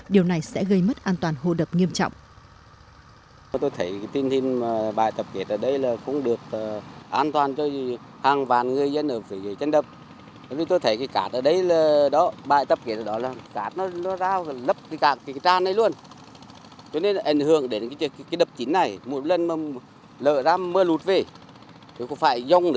điều này sẽ gây mất an toàn hô đập nghiêm trọng